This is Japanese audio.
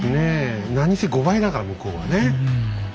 何せ５倍だから向こうはね。